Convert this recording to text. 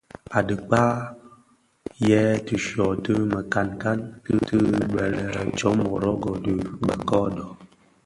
A dhikpää, yè tishyō ti mekankan ti bë lè Ntsomorogo dhi bë ködő.